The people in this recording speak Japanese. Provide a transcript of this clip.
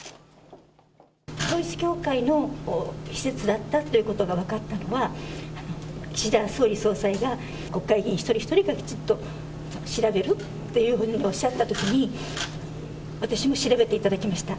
統一教会の施設だったということが分かったのは、岸田総理総裁が、国会議員一人一人がきちっと調べろっていうふうにおっしゃったときに、私も調べていただきました。